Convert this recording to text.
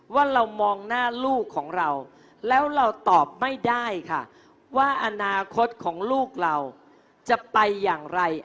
ว่าเรามองหน้าลูกของเราแล้วเราตอบไม่ได้ค่ะว่าอนาคตของลูกเราจะไปอย่างไร